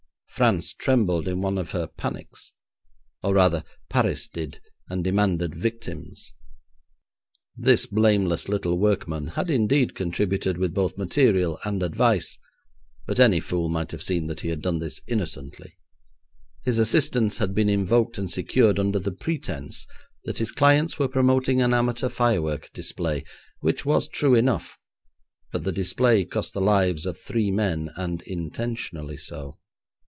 France trembled in one of her panics, or, rather, Paris did, and demanded victims. This blameless little workman had indeed contributed with both material and advice, but any fool might have seen that he had done this innocently. His assistance had been invoked and secured under the pretence that his clients were promoting an amateur firework display, which was true enough, but the display cost the lives of three men, and intentionally so.